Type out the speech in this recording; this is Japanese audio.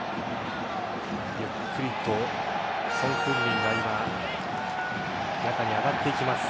ゆっくりとソン・フンミンが今、中に上がっていきます。